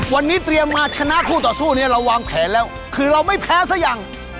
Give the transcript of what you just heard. วันนี้เตรียมมาชนะครูต่อสู้เนี้ยลองทางแล้วคือเราไม่แพ้ซะอย่าง